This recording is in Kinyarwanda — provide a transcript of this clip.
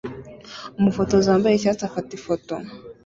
umufotozi wambaye icyatsi afata ifoto